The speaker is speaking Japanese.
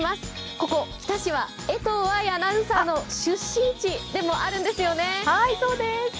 ここ日田市は江藤愛アナウンサーの出身地でもあるんですよね。